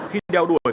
khi đeo đuổi